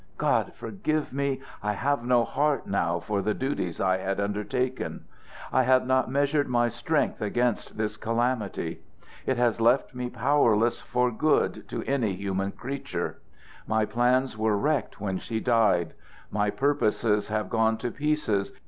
God forgive me! I have no heart now for the duties I had undertaken. I had not measured my strength against this calamity. It has left me powerless for good to any human creature. My plans were wrecked when she died. My purposes have gone to pieces.